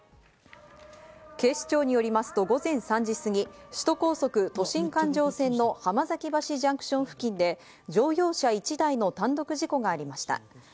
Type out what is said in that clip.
警視庁によりますと午前３時すぎ、首都高速都心環状線の浜崎橋ジャンクション付近で乗用車１台の単独事故がありました。